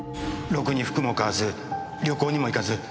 ろくに服も買わず旅行にも行かず。